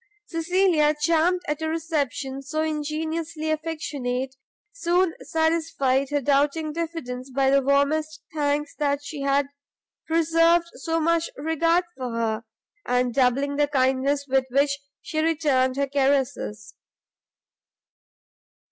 Cecilia, charmed at a reception so ingenuously affectionate, soon satisfied her doubting diffidence by the warmest thanks that she had preserved so much regard for her, and by doubling the kindness with which she returned her caresses.